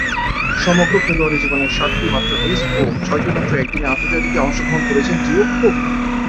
সমগ্র খেলোয়াড়ী জীবনে সাতটিমাত্র টেস্ট ও ছয়টিমাত্র একদিনের আন্তর্জাতিকে অংশগ্রহণ করেছেন জিওফ কুক।